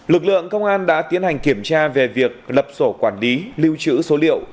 lực lượng công an đã tiến hành kiểm tra về việc lập sổ quản lý lưu trữ số liệu